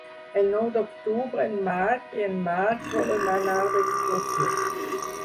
El nou d'octubre en Marc i en Marc volen anar d'excursió.